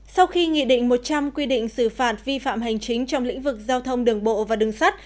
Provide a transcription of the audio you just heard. sau khi nghị định một trăm linh quy định xử phạt vi phạm hành chính trong lĩnh vực giao thông đường bộ và đường sắt